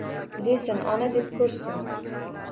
Desin, ona, deb ko'rsin?!